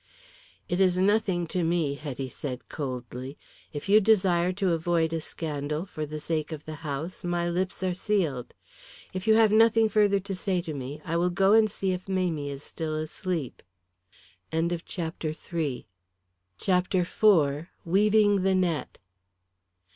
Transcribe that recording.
"It is nothing to me," Hetty said coldly. "If you desire to avoid a scandal for the sake of the house, my lips are sealed. If you have nothing further to say to me, I will go and see if Mamie is still asleep." CHAPTER IV. WEAVING THE NET.